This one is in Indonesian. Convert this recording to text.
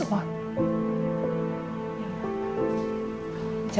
bicara ke sayang nanti ya